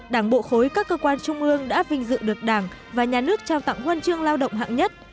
đảng bộ khối các cơ quan trung ương đã vinh dự được đảng và nhà nước trao tặng huân chương lao động hạng nhất